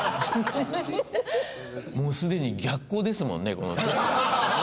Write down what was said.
もうすでに逆光ですもんね。